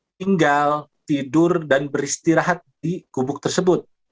tinggal tidur dan beristirahat di gubuk tersebut